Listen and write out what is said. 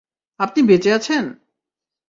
আপনি বেঁচে আছেন?